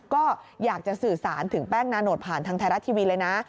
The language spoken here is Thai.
ก็อยากจะสื่อสารถึงแป้งนาโนดผ่านทางไทยรัฐทีวีเลยนะ